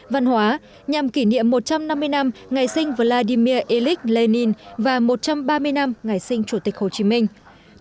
văn hóa nhằm kỷ niệm một trăm năm mươi năm ngày sinh vladimir ilyich lenin và một trăm ba mươi năm ngày sinh chủ tịch hồ chí minh